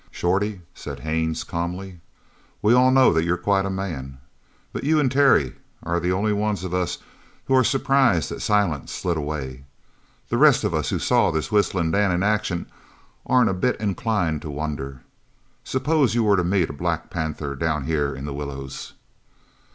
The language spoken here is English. "Shorty," said Haines calmly, "we all knows that you're quite a man, but you and Terry are the only ones of us who are surprised that Silent slid away. The rest of us who saw this Whistling Dan in action aren't a bit inclined to wonder. Suppose you were to meet a black panther down here in the willows?"